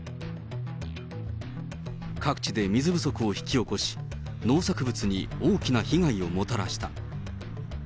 各地で水不足を引き起こし、農作物に大きな被害をもたらした。